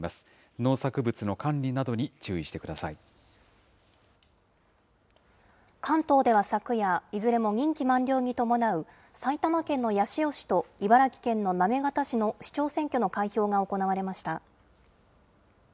農作物の管理などに注意してくだ関東では昨夜、いずれも任期満了に伴う、埼玉県の八潮市と茨城県の行方市の市長選挙の開票が行われました。